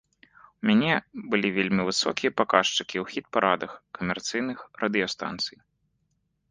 У мяне былі вельмі высокія паказчыкі ў хіт-парадах камерцыйных радыёстанцый.